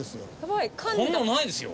こんなのないですよ。